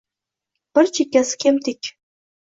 Bir chekkasi kemtik.